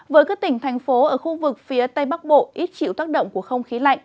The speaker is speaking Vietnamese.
với các tỉnh thành phố ở khu vực phía tây bắc bộ ít chịu tác động của không khí lạnh